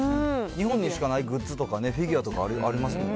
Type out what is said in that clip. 日本にしかないグッズとかね、フィギュアとかありますからね